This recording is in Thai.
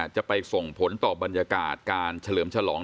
จะไปส่งผลต่อบรรยากาศการเฉลิมฉลอง